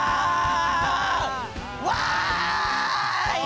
わい！